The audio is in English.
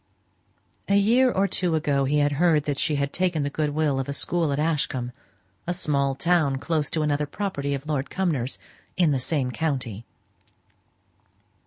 A year or two ago he had heard that she had taken the good will of a school at Ashcombe; a small town close to another property of Lord Cumnor's, in the same county.